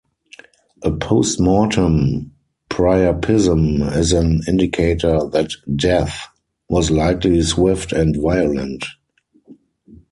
A postmortem priapism is an indicator that death was likely swift and violent.